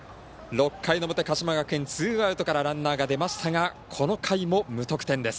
６回の表、鹿島学園ツーアウトからランナーが出ましたがこの回も無得点です。